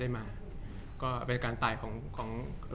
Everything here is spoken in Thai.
จากความไม่เข้าจันทร์ของผู้ใหญ่ของพ่อกับแม่